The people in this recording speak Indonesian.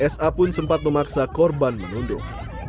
sa pun sempat memaksa korban menunduk